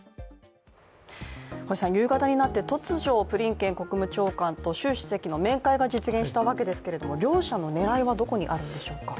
夕方になって突如、ブリンケン国務長官と習主席の面会が実現したわけですが両者の狙いはどこにあるんでしょうか。